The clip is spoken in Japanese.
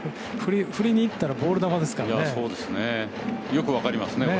振りにいったらボール球ですからね。